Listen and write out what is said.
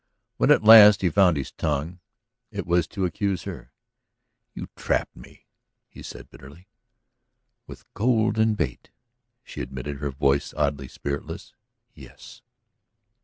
When at last he found his tongue it was to accuse her. "You trapped me," he said bitterly. "With golden bait," she admitted, her voice oddly spiritless. "Yes."